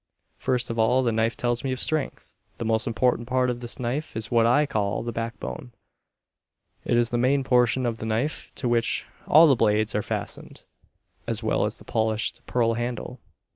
First of all the knife tells me of Strength. The most important part of this knife is what I call the backbone. It is the main portion of the knife to which all the blades are fastened, as well as the polished pearl handle.